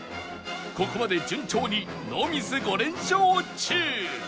ここまで順調にノーミス５連勝中